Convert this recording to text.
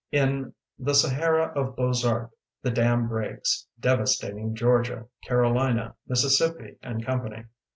In "The Sahara of Bozart" the dam breaks, devastating Georgia, Carolina, Mississippi, and Company.